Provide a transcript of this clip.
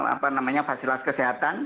apa namanya fasilitas kesehatan